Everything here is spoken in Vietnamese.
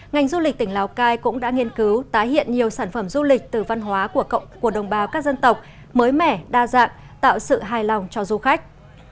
ngành du lịch tỉnh lào cai cũng đã nghiên cứu tái hiện nhiều sản phẩm du lịch từ văn hóa của đồng bào các dân tộc mới mẻ đa dạng tạo sự hài lòng cho du khách